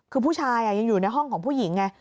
คือผู้ชายยังอยู่ในห้องของผู้หญิงไง